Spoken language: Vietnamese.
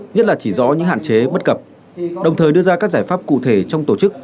nhất là chỉ rõ những hạn chế bất cập đồng thời đưa ra các giải pháp cụ thể trong tổ chức